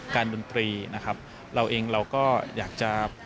ดนตรีนะครับเราเองเราก็อยากจะ